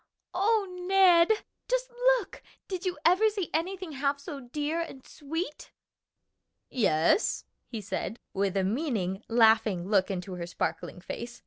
"O Ned, just look! did you ever see anything half so dear and sweet?" "Yes," he said, with a meaning, laughing look into her sparkling face.